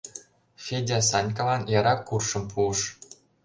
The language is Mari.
Федя Санькалан яра куршым пуыш.